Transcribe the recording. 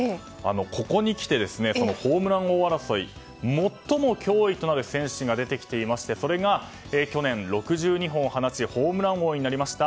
ここにきてホームラン王争いで最も脅威となる選手が出てきていましてそれが、去年６２本を放ちホームラン王になりました